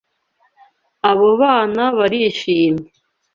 Abo bana barishimye.